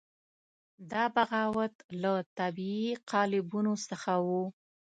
دا بغاوت له طبیعي قالبونو څخه وو.